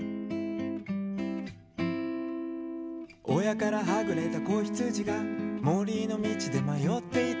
「親からはぐれた子ヒツジが森の道でまよっていた」